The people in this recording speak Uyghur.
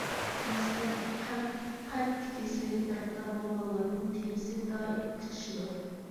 مەسىلەن: قەنت كېسىلىگە گىرىپتار بولغانلارنىڭ تېرىسى دائىم قىچىشىدۇ.